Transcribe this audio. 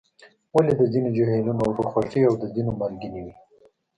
ولې د ځینو جهیلونو اوبه خوږې او د ځینو مالګینې وي؟